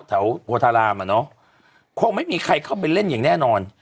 แถวโพธารามอ่ะเนอะคงไม่มีใครเข้าไปเล่นอย่างแน่นอน